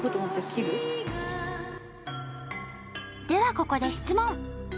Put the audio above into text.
ではここで質問！